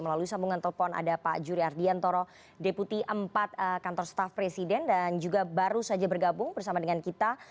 melalui sambungan telepon ada pak juri ardiantoro deputi empat kantor staff presiden dan juga baru saja bergabung bersama dengan kita